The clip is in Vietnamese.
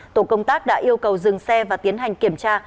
tổ công tác đã yêu cầu dừng xe và tiến hành kiểm tra